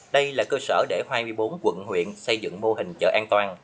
đây là cơ sở để hai mươi bốn quận huyện xây dựng mô hình chợ an toàn